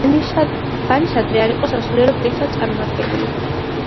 ბანისადრი არ იყო სასულიერო პირთა წარმომადგენელი.